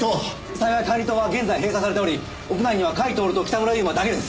幸い管理棟は現在閉鎖されており屋内には甲斐享と北村悠馬だけです。